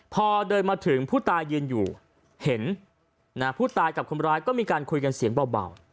พอเดินมาถึงผู้ตายยืนอยู่เห็นผู้ตายกับคนร้ายก็มีการคุยกันเสียงเบา